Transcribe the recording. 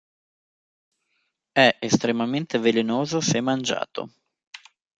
È estremamente velenoso se mangiato.